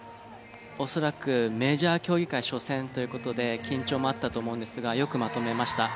恐らくメジャー競技会初戦という事で緊張もあったと思うんですがよくまとめました。